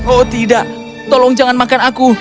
oh tidak tolong jangan makan aku